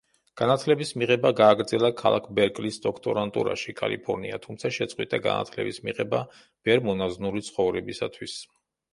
განათლების მიღება გააგრძელა ქალაქ ბერკლის დოქტორანტურაში, კალიფორნია, თუმცა შეწყვიტა განათლების მიღება ბერ-მონაზვნური ცხოვრებისთვის.